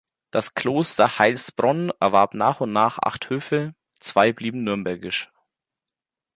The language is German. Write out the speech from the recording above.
Das Kloster Heilsbronn erwarb nach und nach acht Höfe, zwei blieben nürnbergisch.